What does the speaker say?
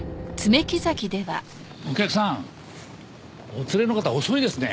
お客さんお連れの方遅いですね。